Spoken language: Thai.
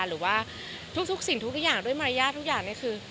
หรือว่าทุกสิ่งทุกอย่างด้วยมารยาททุกอย่างเนี่ยคือ